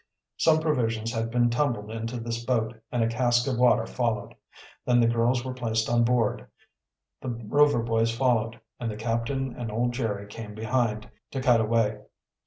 Some provisions had been tumbled into this boat, and a cask of water followed. Then the girls were placed on board, the Rover boys followed, and the captain and old Jerry came behind, to cut away.